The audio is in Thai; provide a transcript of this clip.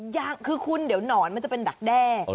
ยังคือคุณเดี๋ยวหนอนมันจะเป็นดักแด้